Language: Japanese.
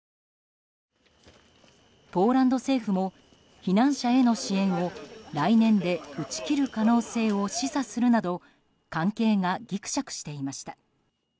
ポーランド政府も避難者への支援を来年で打ち切る可能性を示唆するなど関係がぎくしゃくしていました。